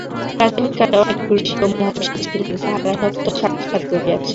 প্রাচীনকালে অনেক ঋষি ও মহর্ষি ছিলেন, তাঁহারা সত্য সাক্ষাৎ করিয়াছিলেন।